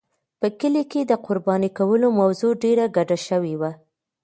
په کلي کې د قربانۍ کولو موضوع ډېره ګډه شوې وه.